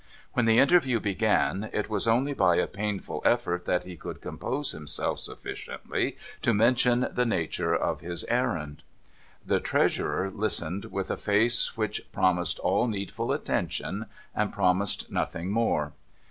When the interview began, it was only by a painful effort that he could compose himself sufficiently to mention the nature of his errand. The Treasurer listened with a face which promised all needful attention, and promised nothing more.